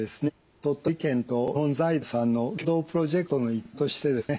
鳥取県と日本財団さんの共同プロジェクトの一環としてですね